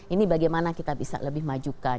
ini bagaimana kita bisa lebih majukan